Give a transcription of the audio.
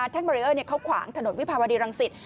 แท็งก์บารีเออร์เขาขวางถนนวิพาวดิรังสิต